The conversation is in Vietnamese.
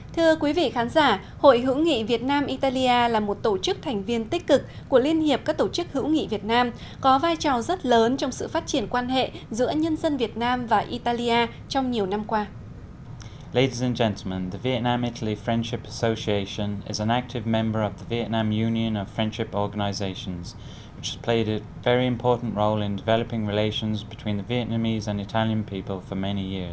thưa quý vị khán giả hội hữu nghị việt nam italia là một tổ chức thành viên tích cực của liên hiệp các tổ chức hữu nghị việt nam có vai trò rất lớn trong sự phát triển quan hệ giữa nhân dân việt nam và italia trong nhiều năm qua